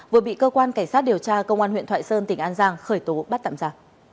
vừa bị cơ quan cảnh sát điều tra công an huyện thoại sơn tỉnh an giang khởi tố bắt tạm giả